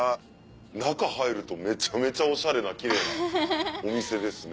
中入るとめちゃめちゃオシャレなキレイなお店ですね。